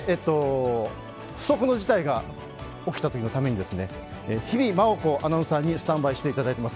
不測の事態が起きたときのために日比麻音子アナウンサーにスタンバイしていただいています。